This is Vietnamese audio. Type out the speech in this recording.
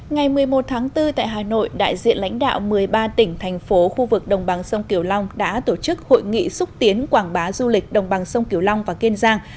ngày một mươi một tháng bốn tại hà nội đại diện lãnh đạo một mươi ba tỉnh thành phố khu vực đồng bằng sông kiều long đã tổ chức hội nghị xúc tiến quảng bá du lịch đồng bằng sông kiều long và kiên giang